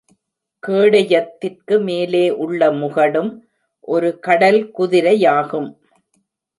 கேடயத்திற்கு மேலே உள்ள முகடும் ஒரு கடல் குதிரையாகும்.